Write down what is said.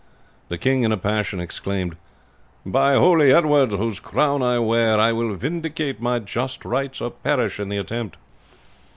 The king, in a passion, exclaimed: "'By holy Edward, whose crown I wear, I will vindicate my just rights, or perish in the attempt.'